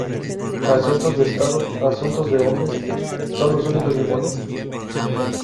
Asuntos de estado, asuntos de hombres, son sólo unos limones?